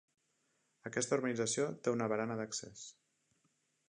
Aquesta urbanització té una barana d’accés.